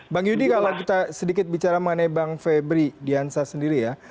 bang yudi kalau kita sedikit bicara mengenai bang febri diansa sendiri ya